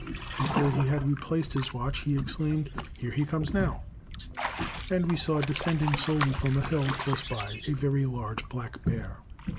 Before he had replaced his watch, he exclaimed, "Here he comes now," and we saw descending slowly from a hill close by a very large black bear.